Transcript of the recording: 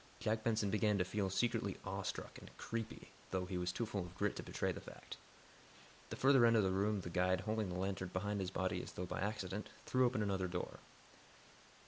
Jack Benson began to feel secretly awestruck and "creepy," though he was too full of grit to betray the fact. At the further end of the room the guide, holding the lantern behind his body as though by accident, threw open another door.